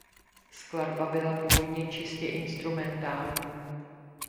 Skladba byla původně čistě instrumentální.